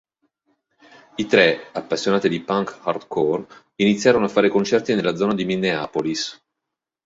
I tre, appassionati di punk hardcore, iniziarono a fare concerti nella zona di Minneapolis.